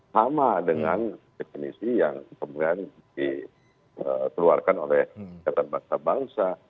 sama dengan definisi yang kemudian dikeluarkan oleh kesehatan bangsa bangsa